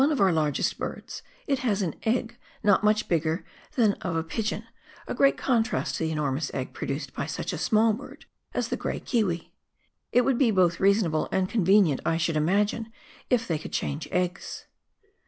of our largest birds, it has an egg not mu3h bigger than that of a pigeon, a great contrast to the enormous egg produced by such a small bird as the grey kiwi. It would be both reason able and convenient, I should imagine, if they could change eggs!